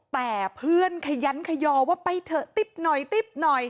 แต่เพื่อนขยันขยอว่าไปเถอะติ๊บหน่อยติ๊บหน่อย